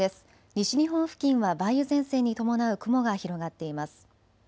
西日本付近は梅雨前線に伴う雲が広がっています。